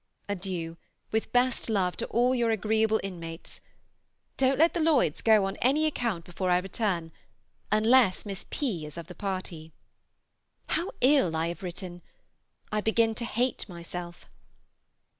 Adieu, with best love to all your agreeable inmates. Don't let the Lloyds go on any account before I return, unless Miss P. is of the party. How ill I have written! I begin to hate myself.